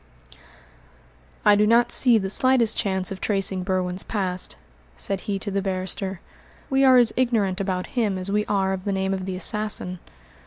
"I do not see the slightest chance of tracing Berwin's past," said he to the barrister. "We are as ignorant about him as we are of the name of the assassin."